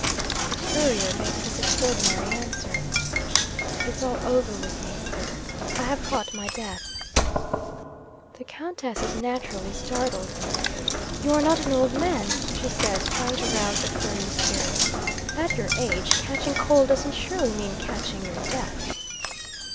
The Courier makes this extraordinary answer: "It's all over with me, Sir: I have caught my death." 'The Countess is naturally startled. "You are not an old man," she says, trying to rouse the Courier's spirits. "At your age, catching cold doesn't surely mean catching your death?"